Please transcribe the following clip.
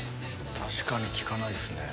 確かに聞かないっすね。